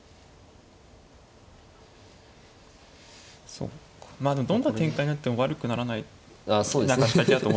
そっかまあでもどんな展開になっても悪くならない形だと思ったんで４五歩は。